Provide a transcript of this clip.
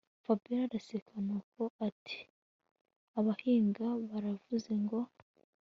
Fabiora araseka nuko ati abahinga baravuze ngo